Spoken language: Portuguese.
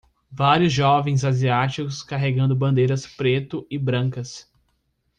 vários jovens asiáticos carregando bandeiras preto e brancas